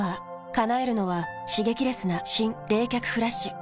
叶えるのは刺激レスな新・冷却フラッシュ。